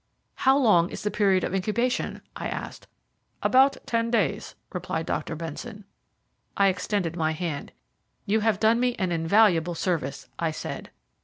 "How long is the period of incubation?" I asked. "About ten days," replied Dr. Benson. I extended my hand. "You have done me an invaluable service," I said.